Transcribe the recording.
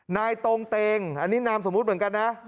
ตรงเตงอันนี้นามสมมุติเหมือนกันนะ